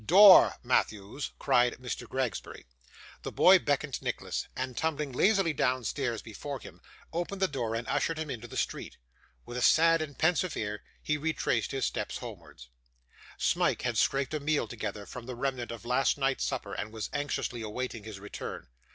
'Door, Matthews!' cried Mr. Gregsbury. The boy beckoned Nicholas, and tumbling lazily downstairs before him, opened the door, and ushered him into the street. With a sad and pensive air, he retraced his steps homewards. Smike had scraped a meal together from the remnant of last night's supper, and was anxiously awaiting his return.